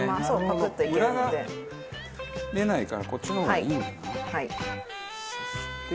無駄が出ないからこっちの方がいいんだな。